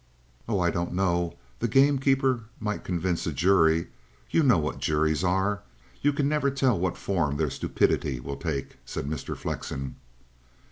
"Oh, I don't know. The gamekeeper might convince a jury. You know what juries are. You can never tell what form their stupidity will take," said Mr. Flexen.